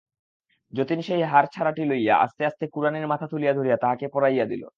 যতীন সেই হারছাড়াটি লইয়া আস্তে আস্তে কুড়ানির মাথা তুলিয়া ধরিয়া তাহাকে পরাইয়া দিল।